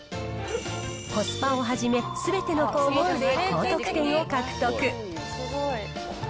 コスパをはじめ、すべての項目で高得点を獲得。